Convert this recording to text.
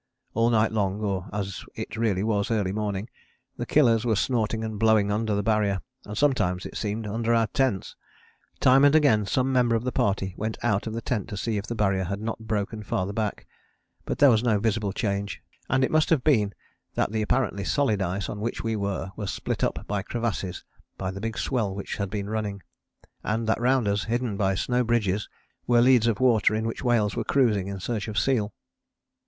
All night long, or as it really was, early morning, the Killers were snorting and blowing under the Barrier, and sometimes, it seemed, under our tents. Time and again some member of the party went out of the tent to see if the Barrier had not broken farther back, but there was no visible change, and it must have been that the apparently solid ice on which we were, was split up by crevasses by the big swell which had been running, and that round us, hidden by snow bridges, were leads of water in which whales were cruising in search of seal.